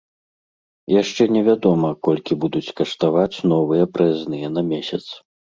Яшчэ не вядома, колькі будуць каштаваць новыя праязныя на месяц.